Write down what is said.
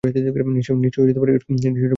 নিশ্চয়ই এটা বেশ গুরুত্বপূর্ণ।